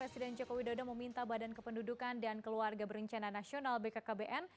presiden joko widodo meminta badan kependudukan dan keluarga berencana nasional bkkbn